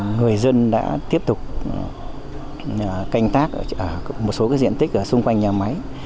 người dân đã tiếp tục canh tác một số diện tích ở xung quanh nhà máy